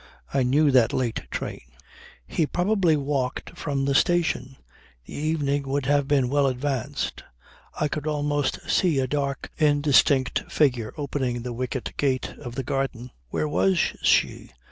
I knew that late train. He probably walked from the station. The evening would be well advanced. I could almost see a dark indistinct figure opening the wicket gate of the garden. Where was she?